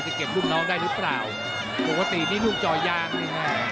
จะเก็บรุ่งน้องได้หรือเปล่าปราบประตินี้ลูกจอย่างเง่งแหง